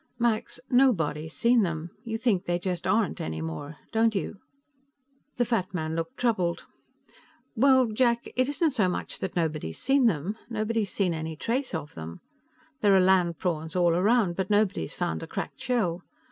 "Max, nobody's seen them. You think they just aren't, any more, don't you?" The fat man looked troubled. "Well, Jack, it isn't so much that nobody's seen them. Nobody's seen any trace of them. There are land prawns all around, but nobody's found a cracked shell.